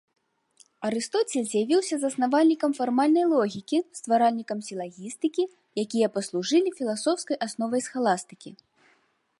Арыстоцель з'явіўся заснавальнікам фармальнай логікі, стваральнікам сілагістыкі, якія паслужылі філасофскай асновай схаластыкі.